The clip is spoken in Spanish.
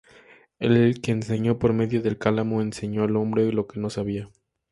El que enseñó por medio del cálamo, enseñó al hombre lo que no sabía".